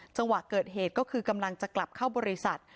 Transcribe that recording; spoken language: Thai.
จังหวะเกิดเหตุก็คือกำลังจะกลับเข้าบริษัท